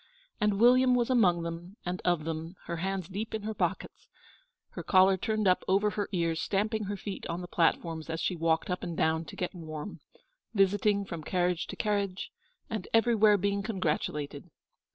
And William was among them and of them, her hands deep in her pockets, her collar turned up over her ears, stamping her feet on the platforms as she walked up and down to get warm, visiting from carriage to carriage, and everywhere being congratulated.